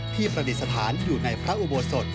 ประดิษฐานอยู่ในพระอุโบสถ